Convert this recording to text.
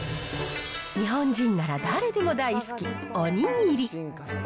日本人なら誰でも大好き、おにぎり。